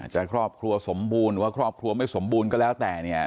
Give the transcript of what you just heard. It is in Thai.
ครอบครัวสมบูรณ์หรือว่าครอบครัวไม่สมบูรณ์ก็แล้วแต่เนี่ย